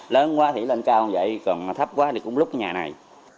lớn quá thì lên cao vậy còn thấp quá thì cũng lúc nhà này